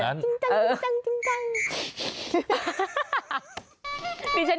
จิ้งจังจิ้งจังจิ้งจัง